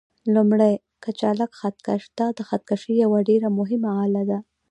لومړی: کچالک خط کش: دا د خط کشۍ یوه ډېره مهمه آله ده.